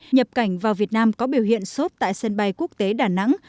nhập cảnh vào việt nam có biểu hiện sốt tại sân bay quốc tế đà nẵng